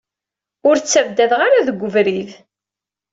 Ur ttabdadeɣ ara deg ubrid.